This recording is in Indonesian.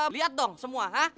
liat dong semua ha